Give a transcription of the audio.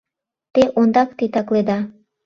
Те ондак титакледа.